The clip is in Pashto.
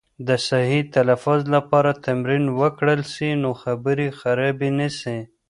د صحیح تلفظ لپاره تمرین وکړل سي، نو خبرې خرابې نه سي.